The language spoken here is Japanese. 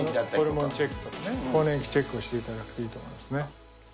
そこでそういったうつのはなホルモンチェックとかね、更年期チェックをしていただくといいと思いますね。